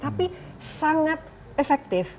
tapi sangat efektif